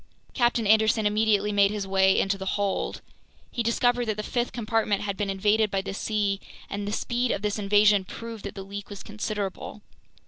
Captain Anderson immediately made his way into the hold. He discovered that the fifth compartment had been invaded by the sea, and the speed of this invasion proved that the leak was considerable.